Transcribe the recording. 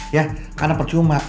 ya karena percuma